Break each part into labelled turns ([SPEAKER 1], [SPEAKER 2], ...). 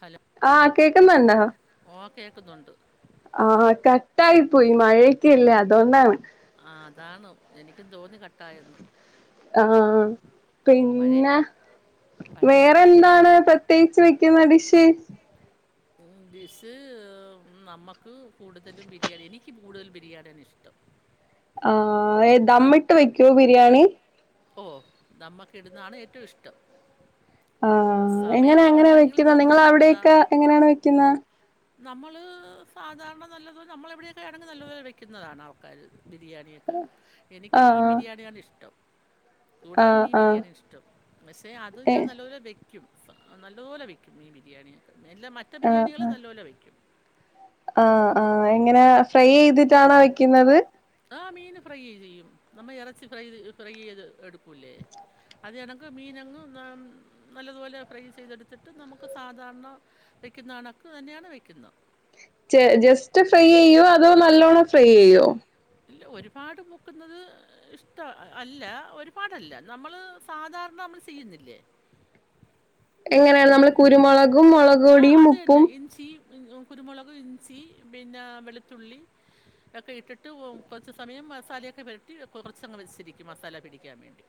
[SPEAKER 1] Hello
[SPEAKER 2] ആഹ കേക്കെ മരാ
[SPEAKER 1] ഓ കേൾക്കുന്നുണ്ട്
[SPEAKER 2] ആഹ് കട്ട ആായി പോയി മഴക്കല്ലേ അതൊന്നാണ്
[SPEAKER 1] ആ അതാണ് എനിക്കും തോന്നി കട്ടായന്ന്
[SPEAKER 2] ആഹ പിന്നെ
[SPEAKER 1] പഴയ
[SPEAKER 2] വേറെ എന്താണ്
[SPEAKER 1] മഴയല്ലേ
[SPEAKER 2] പ്രത്യേകിച്ച് വെക്കുന്ന ഡഷ
[SPEAKER 1] ഇലിസ് നമ്മുക്ക് കൂടുതലും ബിരിയാണി എനിക്ക് കൂടുതൽ ബിരിയാണിയാണ്
[SPEAKER 2] ആഹ ഏതമ്മിട്ട് വെക്കോ ബിരിയാണി
[SPEAKER 1] ഓ നമ്മക്ക് ഇടുന്നാണ് ഏറ്റവും ഇഷ്ടം
[SPEAKER 2] ആ എങ്ങനെയ
[SPEAKER 1] സമയം
[SPEAKER 2] അങ്ങനെയ
[SPEAKER 1] ഉണ്ടെങ്കിൽ
[SPEAKER 2] വെക്കുന്ന നിങ്ങ അവിടെൊക്കെ എങ്ങനെയാണ് വെക്കുന്ന
[SPEAKER 1] നമ്മൾ സാധാരണ നല്ലത് നമ്മൾെവിടെയൊക്കെ ആണെങ്കിൽ നല്ലതുോല വെക്കുന്നതാണ് ആൾക്കാർ ബിരിയാണിയൊക്കെ എനിക്ക് ബീം
[SPEAKER 2] ആഹ്
[SPEAKER 1] ബിരിയാണിയാണ് ഇഷ്ടം
[SPEAKER 2] ആഹ്
[SPEAKER 1] കൂടുതലും ഈ
[SPEAKER 2] ആഹ്
[SPEAKER 1] ബിരിയാണി ഇഷ്ടം പക്ഷേ അത് ഞാൻ
[SPEAKER 2] ഏഹ്
[SPEAKER 1] നല്ലൊരു വ്യ വിൽക്കും നല്ലപോലെ വിൽക്കും ഈ ബിരിയാണി മെനല മറ്റ ബിരിയാണികളും നല്ല പോോലെ വെക്കും
[SPEAKER 2] ആഹ ആഹ എങ്ങനെ ഫ്രൈ ചെയ്തിട്ടാണോ വെക്കുന്നത്
[SPEAKER 1] ആ മീൻ ഫ്രൈ ചെയ്യും നമ്മൾ ഇറച്ചി ഫ്രൈ ഫ്രൈ ചെയ്ത് എടുക്കല്ലേ അതി കണക്ക് മീനങ്ങ് നല്ലതുപോലെ ഫ്രൈ ചെയ്തെടുത്തിട്ട് നമുക്ക് സാധാരണ വയ്ക്കുന്ന കണക്ക് തന്നെയാണ് വയ്ക്കുന്നത്
[SPEAKER 2] ജസ്റ്റ് ഫ്രൈ ചെയ്യോ അതോ നല്ലോണ്ണം ഫ്രൈ ചെയ്യോ
[SPEAKER 1] ഇല്ല ഒരുപാട് മുക്കുന്നത് ഇഷ്ട അല്ല ഒരുപാടല്ല നമ്മള് സാധാരണ നമ്മള് ചെയ്യുന്നില്ലേ
[SPEAKER 2] എങ്ങനെയാണ് നമ്മള്
[SPEAKER 1] മീൻ
[SPEAKER 2] കുരുമുളകും
[SPEAKER 1] ആ
[SPEAKER 2] മുളകൊടിയും
[SPEAKER 1] അത്
[SPEAKER 2] ഉപ്പും
[SPEAKER 1] തന്നെ. ഇഞ്ചി, കുരുമുളക് ഇഞ്ചി പിന്നെ വെളുത്തുള്ളി ഒക്കെ ഇട്ടിട്ട് ഇ് കുറച്ച് സമയം മസാലയൊക്കെ വരട്ടി കുറച്ചങ്ങ് വെച്ചിരിക്കും മസാല പിടിക്കാൻ വേണ്ടി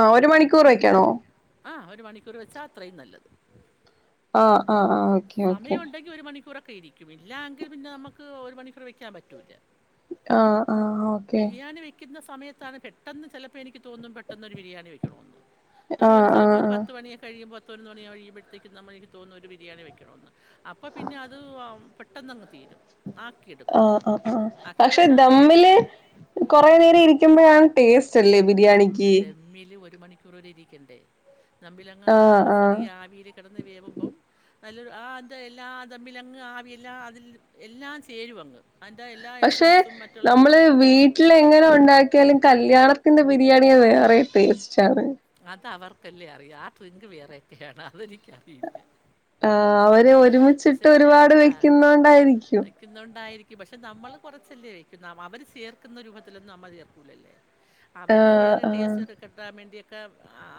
[SPEAKER 2] ആ ഒരു മണിക്കൂർ വെക്കാണോ
[SPEAKER 1] ആ ഒരു മണിക്കൂർ വെച്ചാ അത്രയും നല്ലത്
[SPEAKER 2] ആഹ ആഹ് ആഹ് ഓക്കെ ഓക്കെ
[SPEAKER 1] ക്കെ ഇരിക്കും ഇല്ല എങ്കിൽ പിന്നെ നമുക്ക് ഒരു മണിക്കൂർ വെക്കാൻ പറ്റൂില്ല
[SPEAKER 2] ആഹ ആഹ് ഓക്കെ
[SPEAKER 1] വക്കുന്ന സമയത്താണ് പെട്ടെന്ന് ചിലപ്പോൾ എനിക്ക് തോന്നും പെട്ടെന്ന്ൊരു ബിരിയാണി വെക്കണമോന്ന് ഇപ്പൊ
[SPEAKER 2] ആ
[SPEAKER 1] ഒരു
[SPEAKER 2] ആ
[SPEAKER 1] ചലപ്പോ ഒരു
[SPEAKER 2] ആ
[SPEAKER 1] പത്ത് മണിയ കഴിയുമ്പോ തോന്നന്ന് തുടങ്ങിയഴിയുമോഴത്തേക്ക് നമ്മ എനിക്ക് തന്നുന്നു ഒരു ബിരിയാണി വെക്കണ എന്ന് അപ്പൊ പിന്നെ അത് പെട്ടെന്ന് അങ്ങ് തീരും ആക്കിയെടുക്കും.
[SPEAKER 2] ആഹ ആ് ആഹ
[SPEAKER 1] ആക്കിയ
[SPEAKER 2] പക്ഷെ
[SPEAKER 1] ശേഷം
[SPEAKER 2] ഇന്താ
[SPEAKER 1] ടി എസ്
[SPEAKER 2] മ്മില് കൊറ നേരം ഇരിക്കുമ്പോഴാണ് ടേസ്റ്റ്ല്ലേ
[SPEAKER 1] ഡമ്മിൽ ഒരു മണിക്കൂർ വരെ ഇരിക്കും ിക്കണ്ടേ നമ്മമ്പിലങ് ആ ചെറിയ ആവിൽ കിടന്ന് വേവുമ്പം നല്ലൊരു ആന്ത എല്ലാ തമ്മില അങ്ങ് ആവി എല്ലാം അതിൽ എല്ലാം ചേരുും അങ്ങ് അതിൻ്റെ എല്ലാ
[SPEAKER 2] പക്ഷെ
[SPEAKER 1] എസൻസും മറ്റുള്ള
[SPEAKER 2] നമ്മള് വീട്ടില എങ്ങനെ ഉണ്ടാക്കി എാലും കല്യാണത്തിന്റെ ബിരിയാണിയ വേറെ ടേസ്റ്റ് ആണ്
[SPEAKER 1] അത അവർക്ക കല് അററി ആ ഡ്രിങ്ക് വേറെയൊക്കെയാണ് അതെനിക്ക്
[SPEAKER 2] ആ അവര് ഒരുമിച്ചിട്ട്
[SPEAKER 1] പക്ഷേ ഞാൻ
[SPEAKER 2] ഒരുപാട്
[SPEAKER 1] ആ
[SPEAKER 2] വെക്കുന്നോണ്ടായിരിക്കും
[SPEAKER 1] വെക്കുന്നുണ്ടായിരിക്കും. പക്ഷെ നമ്മൾ കുറച്ചല്ലേ വക്കും അവർ ചേർക്കുന്ന രൂപത്തിലൊന്നും നമ്മൾ ചേർക്കൂില്ലല്ലേ
[SPEAKER 2] ആ
[SPEAKER 1] അവര് വറെ
[SPEAKER 2] ആ
[SPEAKER 1] ടസ്ക്കെ കെട്ടാ വേണ്ടിയ ഒക്കെ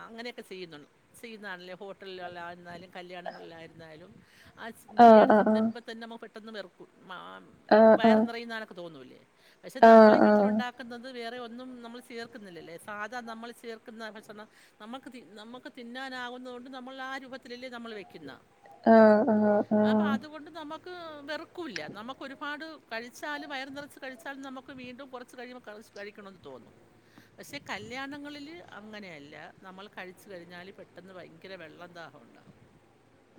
[SPEAKER 1] അങ്ങനെയൊക്കെ ചെയ്യുന്നു ചെയ്യുന്നതാണല്ലേ ഹോട്ടലിലള്ള ആരുന്നാലും കല്യാണങ്ങളിലായിരുന്നാലും ആ ബിരിയാണി
[SPEAKER 2] ആ ആ
[SPEAKER 1] തിന്നുമ്പോ തന്നെ നമ്മ പെെന്ന് വറക്കൂ മാ
[SPEAKER 2] ആ ആ
[SPEAKER 1] വയറെ നിറയുന്നനൊക്കെ തോന്നില്ലേ പക്ഷെ
[SPEAKER 2] ആ
[SPEAKER 1] നമ്മളെ
[SPEAKER 2] ആ
[SPEAKER 1] വീട്ടില ഉണ്ടാക്കുന്നത് വേറെ ഒന്നും നമ്മൾ ചേർക്കുന്നില്ലല്ലേ സാധാ നമ്മൾ ചേർ ുന്ന ഭക്ഷണം നമുക്ക് തി നമുക്ക് തിന്നാനാകുന്നത് കൊണ്ട് നമ്മൾ ആ രൂപത്തിലല്ലേ നമ്മൾ വയ്ക്കുന്ന
[SPEAKER 2] ആഹ ആഹ ആഹ
[SPEAKER 1] നമുക്ക് വെറുക്കില്ല നമുക്കൊരുപാട് കഴിച്ചാും വയർ നിറച്ച് കഴിച്ചാലും നമുക്ക് വീണ്ടും കുറച്ച് കഴിയുമ്പോൾ ക കഴിക്കണമെന്ന് തോന്നും പക്ഷേ കല്യാണങ്ങളിൽ അങ്ങനെയല്ല നമ്മൾ കഴിച്ചു കഴിഞ്ഞാല് പെട്ടെന്ന് ഭയങ്കര വെള്ളം ദാഹമുണ്ടാാവും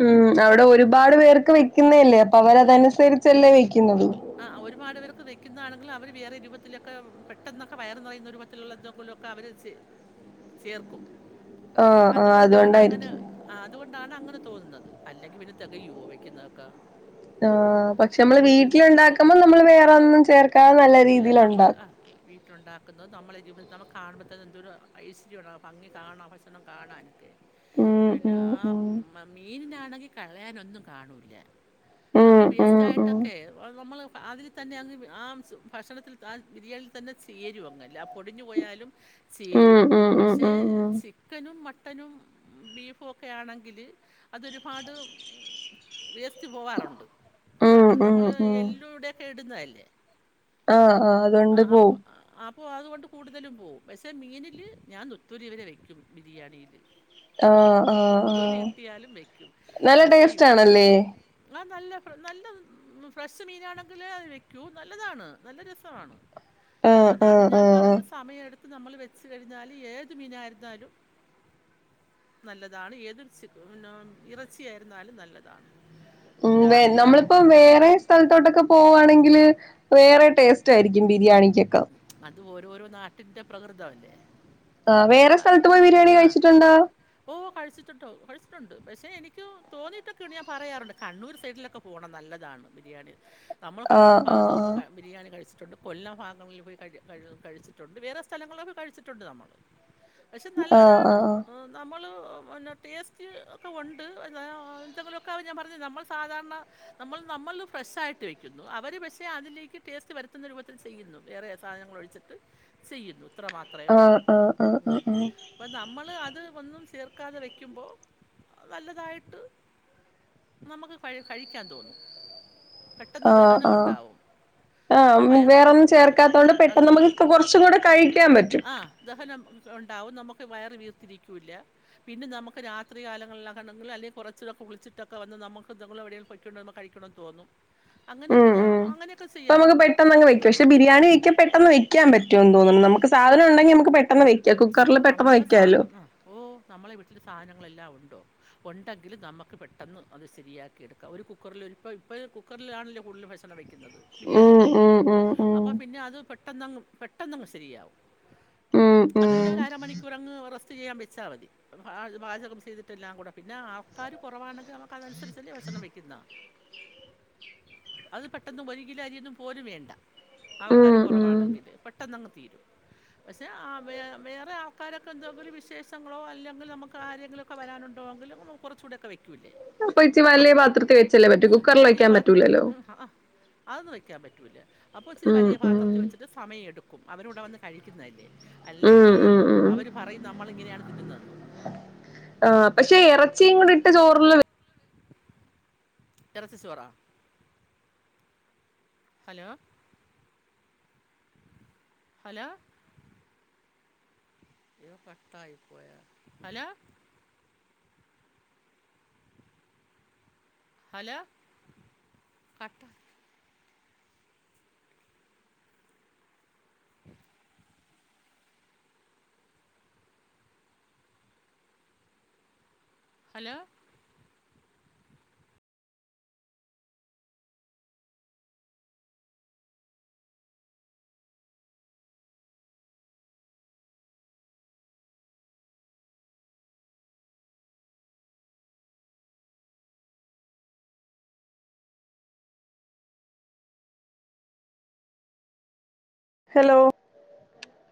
[SPEAKER 2] ഉം അവിടെ ഒരുപാട് പേർക്ക് വെക്കുന്നയല്ലേ അപ്പൊ
[SPEAKER 1] ഉം.
[SPEAKER 2] അവരതനുസരിച്ചല്ലേ വെക്കുന്നത്
[SPEAKER 1] ആ ഒരുപാട് പേർക്ക് വെക്കുന്നതാണെങ്കിലും അവര് വേറെ രൂപത്തിലൊക്കെ പെട്ടെന്നൊക്കെ വയർ നിറയുന്ന രൂപത്തിലുള്ള എന്തെങ്കിലുവൊ ക്കെ അവര് ചേർക്കും
[SPEAKER 2] ആഹ് ആഹ്
[SPEAKER 1] അതുകൊണ്ടാണ് അങ്ങനെ
[SPEAKER 2] അതുകൊണ്ടായിരിക്കും
[SPEAKER 1] അതുകൊണ്ട് ണ്ടാണ് അങ്ങനെ തോന്നുന്നത് അല്ലെങ്കിൽ പിന്നെ തികയൊ വെക്കുന്നതൊക്ക
[SPEAKER 2] ആ പക്ഷെ മ്മള് വീട്ടിലിണ്ടാക്ക നമ്മ നമ്മള് വേറൊന്നും
[SPEAKER 1] ഉം,
[SPEAKER 2] ചേർക്കാതെ നല്ല
[SPEAKER 1] ഇല്ല
[SPEAKER 2] രീതിൽ
[SPEAKER 1] നമ്മൾ
[SPEAKER 2] ഒണ്ടാക്കും
[SPEAKER 1] [unintelligible]
[SPEAKER 2] ഉം
[SPEAKER 1] പിന്നെ
[SPEAKER 2] ഉം
[SPEAKER 1] ആ
[SPEAKER 2] ഉം
[SPEAKER 1] മീനിനത്തു - [unintelligible] കളയാൻ ഒന്നും കാണില്ല
[SPEAKER 2] ഉം
[SPEAKER 1] നമ്മൾ വെയ്സ്റ്റ്
[SPEAKER 2] ഉം ഉം
[SPEAKER 1] ആയിട്ടൊക്കെ വ അതിൽ തന്നെ, ആ കഷണത്തിൽ തന്നെ ചേരും, അത് പൊടിഞ്ഞു പോയാലും - ചേരു
[SPEAKER 2] ഉം ഉം ഉം
[SPEAKER 1] പക്ഷേ
[SPEAKER 2] ഉം
[SPEAKER 1] ചിക്കനും മട്ട് ബീഫ് ഒക്കെ ആണെങ്കിൽ അത് ഒരുപാട് വേസ്റ്റ് - പോകാറുണ്ട് കാരണം
[SPEAKER 2] ഉം ഉം ഉം
[SPEAKER 1] നമ്മള് എ ഈലൂടെക്കെ ഇടുന്നായിരിക് ഇല്ലേ
[SPEAKER 2] ആ ആ അതൊണ്ട് പോവും
[SPEAKER 1] അപ്പോ അതുകൊണ്ട് കൂടുതലും പോവും പക്ഷേ മീനില് ഞാൻ നത്തൂരി വരെ വയ്ക്കും ബിരിയാണിയില്
[SPEAKER 2] ആഹ ആഹ
[SPEAKER 1] നുത്തോലി
[SPEAKER 2] ആഹ
[SPEAKER 1] കിട്ടിയാലും വെക്കും.
[SPEAKER 2] നല്ല
[SPEAKER 1] പക്ഷേ ഇ
[SPEAKER 2] ടേസ്റ്റ് ആണല്ലേ
[SPEAKER 1] ആ നല്ല ഫ്ര നല്ല ഫ്രഷ് ഷ് മീനാണെങ്കിലെ അത് വെക്കൂ നല്ലതാണ് നല്ല രസവാണ്
[SPEAKER 2] ആഹ്
[SPEAKER 1] അതാണ്
[SPEAKER 2] ആഹ്
[SPEAKER 1] ഞാൻ
[SPEAKER 2] ആഹ് ആഹ്
[SPEAKER 1] പറഞ്ഞ സമയം എടുത് നമ്മള് വെച്ച് കഴിഞ്ഞാല് ഏത് മീനായിരുന്നാലും നല്ലതാണ് ഏത് ചി നോൺ ഇറച്ചിയായിരുന്നാലും നല്ലതാണ്
[SPEAKER 2] ഉം വേ
[SPEAKER 1] രാവിലെ ഞാൻ-
[SPEAKER 2] നമ്മളിപ്പോ വേറെ സ്ഥലത് പുറത്തോട്ടക്കെ പോവാണെങ്കിൽ വേറെ ടേസ്റ്റ് ആയിരിക്കും ബിരിയാണി ക്കെക്ക
[SPEAKER 1] അത് ഓരോരോ നാട്ടിൻ്റെ പ്രകൃതവല്ലേ
[SPEAKER 2] ആ വേറെ സ്ഥലത്ത് പോയി ബിരിയാണി കഴിച്ചിട്ടുണ്ടോ
[SPEAKER 1] ഓ! കഴിച്ചിട്ടുണ്ടോ കഴിച്ചിട്ടുണ്ട് പക്ഷേ എനിക്ക് തോന്നിയിട്ടൊക്കെയാണ് ഞാൻ പറയാറുണ്ട് കണ്ണൂർ സൈഡിലൊക്കെ പോകണം നല്ലതാണ് ബിരിയാണി നമ്മൾ കണ്ണൂരിൽ
[SPEAKER 2] ആഹ്
[SPEAKER 1] ഭാഗത്തോമ്പം
[SPEAKER 2] ആഹ്
[SPEAKER 1] ക ബിരിയാണി കഴിച്ചു [unintelligible] കൊല്ലം ഭാ നൊയിൽ പോയി കഴ് കഴിച്ചിട്ടുണ്ട് വേറെ സ്ഥലങ്ങളിൽ കഴിച്ചിട്ടുണ്ട് നമ്മൾ പക്ഷെ
[SPEAKER 2] ആഹ്
[SPEAKER 1] നല്ലതാണ്എ
[SPEAKER 2] ആഹ്
[SPEAKER 1] നമ്മള് പിന്നെ ടേസ്റ്റ് ഒക്കെ ഒണ്ട് എന്തെങ്കിലുവൊക്കെ ഞാൻ പറഞ്ഞില്ലേ നമ്മൾ സാധാരണനമ്മൾ ഫ്രഷായിട്ട് വയ്ക്കുന്നു അവർ പക്ഷേ അതിലേക്ക് ടേസ്റ്റ് വരുത്തുന്ന രൂപത്തിൽ സെയ്യുന്നു വേറെ സാധനങ്ങള് ഒഴിച്ചിട്ട് ചെയ്യുന്നു ഇത്ര മാത്രമേ ഒള്ളൂ
[SPEAKER 2] ആഹ് ആഹ് ആഹ് ആഹ്
[SPEAKER 1] മ് നമ്മൾ അത് ഒന്നും സേർ വക്കാതെ വെക്കുമ്പോൾ നല്ലതായിട്ട് നമുക്ക് കഴി കഴിക്കാൻ തോന്നും പെട്ടെന്ന്
[SPEAKER 2] ആ
[SPEAKER 1] ദഹനം
[SPEAKER 2] ആ
[SPEAKER 1] ഉണ്ടാവും. നമ്മൾ
[SPEAKER 2] ആഹ്
[SPEAKER 1] വയറ്
[SPEAKER 2] വേറെന്നും ചേർക്ക
[SPEAKER 1] വീർത്തിരിക്കും.
[SPEAKER 2] ക്കാത്ത കൊണ്ട് പെട്ടെന്ന്
[SPEAKER 1] അതുകൊണ്ട്
[SPEAKER 2] നമുക്ക് കുറച്ചും കൂടെ കഴിക്കാൻ പറ്റും
[SPEAKER 1] ആ ദഹനം ഉണ്ടാവും. നമുക്ക് വയർ വീർത്തിരിക്കൂല പിന്നെ നമക്ക് രാത്രി കാലങ്ങളിലാണെങ്കിൽ അല്ലേ കുറെച്ച് കുളിച്ചിട്ടൊക്കെ വന്ന് നമ്മുക്ക് എവിടെയെങ്കിലും പൊയ്ക്കൊണ്ടിരിക്കുമ്പോൾ കഴിക്കണമെന്ന് തോന്നും അങ്ങനൊക്കെ ഞാൻ
[SPEAKER 2] അപ്പ നമുക്ക്
[SPEAKER 1] ചെയ്യാറുണ്ട്.
[SPEAKER 2] പെട്ടെന്ന് അങ് വെക്ക പക്ഷേ
[SPEAKER 1] തോന്നും.
[SPEAKER 2] ബരിയാണി വെ പെട്ടെന്ന് വെക്കാ പറ്റുമോ തോന്നുന്നു നമുക്ക് സാധനം ഉണ്ടെങ്കിൽ നമക്ക് പെട്ടെന്ന് വെയ്
[SPEAKER 1] നമ്മളെ സാ ഉം ഓ നമ്മളെ വീട്ടില് സാധനങ്ങെല്ലാം ഉണ്ട് ഉണ്ടെങ്കിൽ നമുക്ക് പെട്ടെന്ന് അത് ശരിയാക്കി എടുക്കാം ഒരു കുക്കറിൽ ഇപ്പൾ ഇപ്പൾ കുക്കറിലാണെങ്കിൽ കൂടുതൽും ഭക്ഷണം വെക്കും ബിരിയാണി
[SPEAKER 2] ഉം
[SPEAKER 1] വയ്ക്കുന്നത്
[SPEAKER 2] ഉം ഉം ഉം
[SPEAKER 1] അപ്പൊ പിന്നെ അത് പെട്ടെന്ന് പെട്ടെന്നങ്ങ് പെട്ടെന്ന് ശരിയാവും
[SPEAKER 2] ഉം
[SPEAKER 1] അത് പിന്നെ
[SPEAKER 2] ഉം
[SPEAKER 1] ഒരുരമണിക്കൂറങ്ങ് റസ് റ്റ് ചെയ്യാൻ വെച്ചാൽ മതി ആ പാചകം ചെയ്തിട്ടെല്ലാം കൂടെ പിന്നെ ആൾക്കാർ കുറവാണെ നമുക്ക് അതനുസരിച്ചല്ലേ ഭക്ഷണം വെക്കുന്നെ അത് പെട്ടന്നും ഒര്കിലോ അരിയൊന്നും പോലും വേണ്ട ആൾക്കാര്
[SPEAKER 2] ഉം ഉം
[SPEAKER 1] കുറവാണെങ്കില് പെട്ടെന്നങ്ങ് തീരും പക്ഷേ ആ വേ വേറെ ആൾക്കാരൊക്കെന്തെങ്കിലും വിശേഷങ്ങളോ അല്ലെങ്കിൽ നമുക്ക് ആരെങ്കിലൊക്കെ വരാനുണ്ടോെങ്കിലോ കുറച്ചുകൂടെക്കെവയ്
[SPEAKER 2] അപ്പൊ ഇച്ചി വല്ല്യ പാത്രത്തിൽ വെച്ചല്ലേ പറ്റു കുക്കർല്
[SPEAKER 1] വലിയ
[SPEAKER 2] വയ്ക്കാൻ പറ്റൂലല്ലോ
[SPEAKER 1] ക്കാൻ പറ്റൂല അപ്പൊ ഇച്ചിരി
[SPEAKER 2] ഉം
[SPEAKER 1] വലിയ
[SPEAKER 2] ഉം
[SPEAKER 1] പാത്രത്തിൽ വെച്ചിട്ട് സമയമെടുക്കും അവരൂടെ വന്ന് കഴിക്കുന്നതല്ലേ
[SPEAKER 2] ഉം
[SPEAKER 1] അല്ലെങ്കിൽ
[SPEAKER 2] ഉം ഉം
[SPEAKER 1] അവര് പറയുന്ന നമ്മള് ഇങ്ങനെയാണ് തിന്നുന്നത് എന്ന്
[SPEAKER 2] ആ പക്ഷേ ഇറച്ചിയും കൂടി ഇട്ട് ചോറില്ല് വെ
[SPEAKER 1] എറച്ചി ചോറാ ഹലോ ഹലോ അയ്യോ കട്ടായിപ്പോയോ ഹലോ ഹലോ കട്ടാ ഹലോ
[SPEAKER 2] ഹലോ